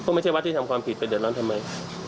ก็ไม่ใช่วัดที่ทำความผิดไปเดือดร้อนทำไม